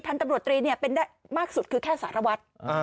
พันธุ์ตำรวจตรีเป็นได้มากสุดคือแค่สารวัตร